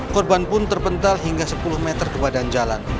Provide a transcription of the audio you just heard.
korban pun terpental hingga sepuluh meter ke badan jalan